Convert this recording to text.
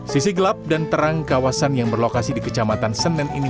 sisi gelap dan terang kawasan yang berlokasi di kecamatan senen ini